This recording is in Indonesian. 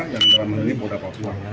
yang dalam meneliti pondok papua